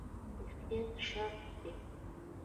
احتیاط شرط دی